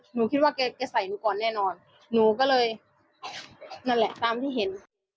หนูคิดว่าแกจะใส่หนูก่อนแน่นอนหนูก็เลยนั่นแหละตามที่เห็น